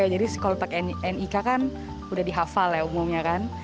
jadi kalau pakai nik kan udah dihafal ya umumnya kan